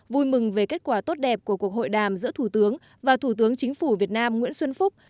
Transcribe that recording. vui mừng về kết quả tốt đẹp của cuộc hội đàm giữa thủ tướng và thủ tướng chính phủ việt nam nguyễn xuân phúc